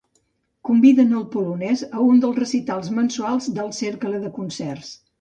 Conviden el polonès a un dels recitals mensuals del cercle de concerts.